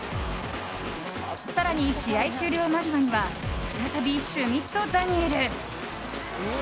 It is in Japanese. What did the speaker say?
更に試合終了間際には再びシュミット・ダニエル！